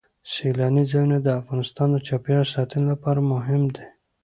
سیلانی ځایونه د افغانستان د چاپیریال ساتنې لپاره مهم دي.